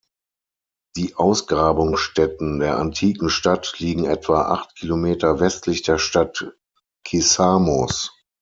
Die Ausgrabungsstätten der antiken Stadt liegen etwa acht Kilometer westlich der Stadt Kissamos.